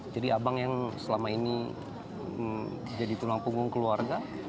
jadi abang yang selama ini jadi tulang punggung keluarga